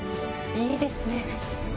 いいですね！